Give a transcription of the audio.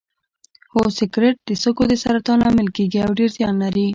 هو سګرټ د سږو د سرطان لامل کیږي او ډیر زیان لري